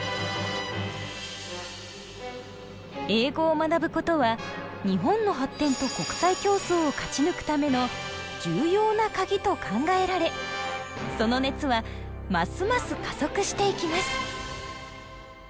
英語を学ぶことは日本の発展と国際競争を勝ち抜くための重要な鍵と考えられその熱はますます加速していきます。